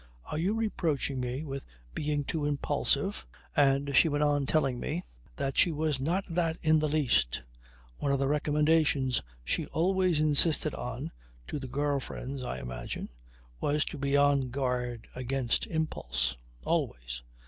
"Are you reproaching me with being too impulsive?" And she went on telling me that she was not that in the least. One of the recommendations she always insisted on (to the girl friends, I imagine) was to be on guard against impulse. Always!